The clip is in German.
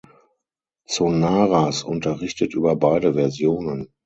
Zonaras unterrichtet über beide Versionen.